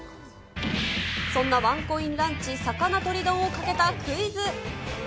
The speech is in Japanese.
そんなワンコインランチ、肴とり丼をかけたクイズ。